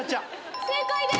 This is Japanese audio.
正解です。